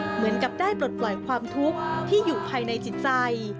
เหมือนกับได้ปลดปล่อยความทุกข์ที่อยู่ภายในจิตใจ